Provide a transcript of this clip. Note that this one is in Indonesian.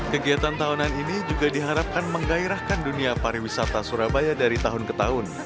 kegiatan tahunan ini juga diharapkan menggairahkan dunia pariwisata surabaya dari tahun ke tahun